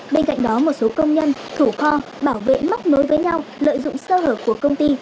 bên cạnh đó một số công nhân thủ kho bảo vệ móc nối với nhau lợi dụng sơ hở của công ty